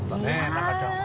『中ちゃん』は。